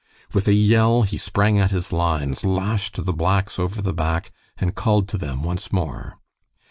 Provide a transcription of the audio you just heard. With a yell he sprang at his lines, lashed the blacks over the back, and called to them once more.